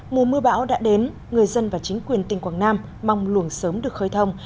mùa mưa bão đã đến người dân và chính quyền tỉnh quảng nam mong luồng sớm được khơi thông